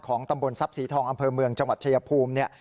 ของตำบลทรัพย์สีทองอำเภอเมืองจังหวัดเชยภูมิ